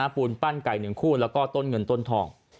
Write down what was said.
ปูนปั้นไก่๑คู่แล้วก็ต้นเงินต้นทอง